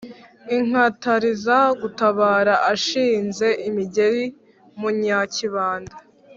inkatariza gutabara ashinze imigeri mu nyakibanda